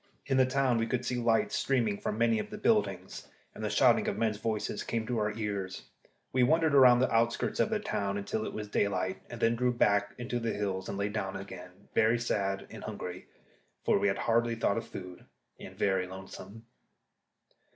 In the town we could see lights streaming from many of the buildings, and the shouting of men's voices came to our ears. We wandered round the outskirts of the town till it was daylight, and then drew back into the hills and lay down again, very sad and hungry for we had hardly thought of food and very lonesome.